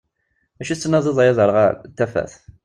D acu i tettnadi-ḍ ay aderɣal? D tafat.